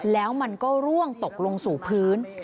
แล้วมันก็ร่วงตกลงสู่พื้น